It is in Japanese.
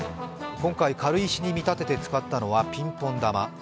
今回、軽石に見立てて使ったのはピンポン球。